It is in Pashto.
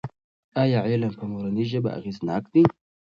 ایا علم په مورنۍ ژبه اغېزناک دی؟